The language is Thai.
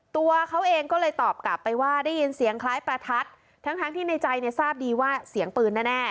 ตัวเขาเองก็เลยตอบกลับไปว่าได้ยินเสียงคล้ายประทัดทั้งทั้งที่ในใจเนี่ยทราบดีว่าเสียงปืนแน่